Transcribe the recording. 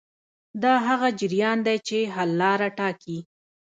دا هغه جریان دی چې حل لاره ټاکي.